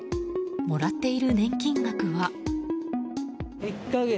もらっている年金額は。